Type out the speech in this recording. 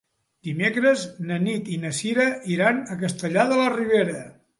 Dimecres na Nit i na Sira iran a Castellar de la Ribera.